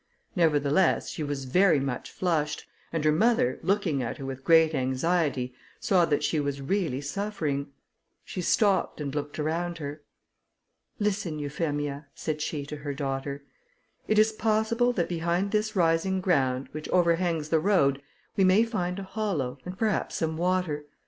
Nevertheless, she was very much flushed, and her mother, looking at her with great anxiety, saw that she was really suffering. She stopped, and looked around her. "Listen, Euphemia," said she to her daughter; "it is possible that behind this rising ground, which overhangs the road, we may find a hollow, and perhaps some water.